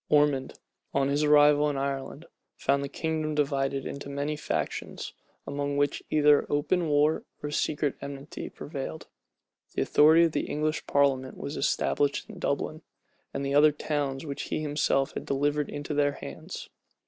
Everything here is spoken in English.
Ormond, on his arrival in Ireland, found the kingdom divided into many factions, among which either open war or secret enmity prevailed. The authority of the English parliament was established in Dublin, and the other towns which he himself had delivered into their hands.